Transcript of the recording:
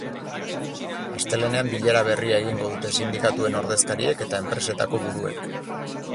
Astelehenean bilera berria egingo dute sindikatuen ordezkariek eta enpresetako buruek.